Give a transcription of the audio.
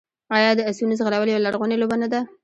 آیا د اسونو ځغلول یوه لرغونې لوبه نه ده؟